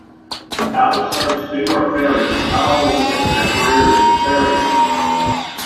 Out-of-service New York ferries have not always ended their careers as ferries.